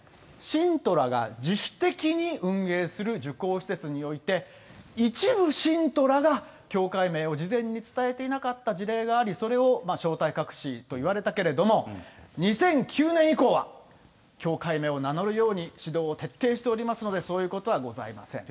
信徒らが自主的に運営する受講施設において、一部信徒らが教会名を事前に伝えていなかった事例があり、それを正体隠しと言われたけれども、２００９年以降は、教会名を名乗るように指導を徹底しておりますので、そういうことはございません。